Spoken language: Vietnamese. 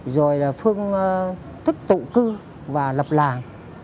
rồi là phương thức tụ cư và lập làng